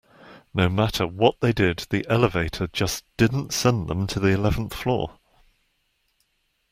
No matter what they did, the elevator just didn't send them to the eleventh floor.